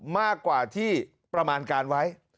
มากกว่าที่ประมาณการไว้